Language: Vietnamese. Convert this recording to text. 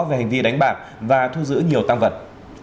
về hành vi đánh bạc và thu giữ nhiều tăng vật